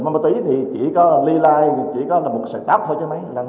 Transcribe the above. bà túy thì chỉ có ly lai chỉ có một sợi tắp thôi chứ mấy